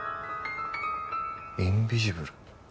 インビジブル？